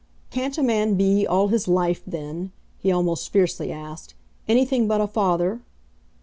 "Can't a man be, all his life then," he almost fiercely asked, "anything but a father?"